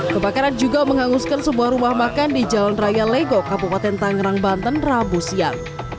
kebakaran juga menghanguskan sebuah rumah makan di jalan raya legok kabupaten tangerang banten rabu siang